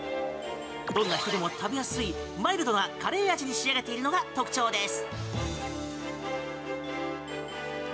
どんな人でも食べやすいマイルドなカレー味に仕上げているのが特徴です。